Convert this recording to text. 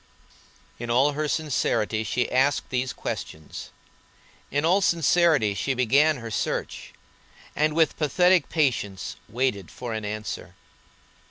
In all sincerity she asked these questions, in all sincerity she began her search, and with pathetic patience waited for an answer.